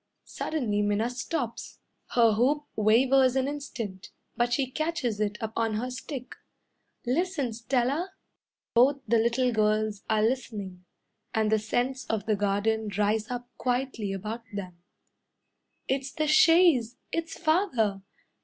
Suddenly Minna stops. Her hoop wavers an instant, But she catches it up on her stick. "Listen, Stella!" Both the little girls are listening; And the scents of the garden rise up quietly about them. "It's the chaise! It's Father!